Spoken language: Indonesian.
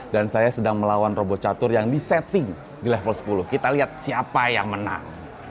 dan saya sedang melawan robot catur yang disetting di level sepuluh kita lihat siapa yang menang